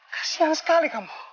kasihan sekali kamu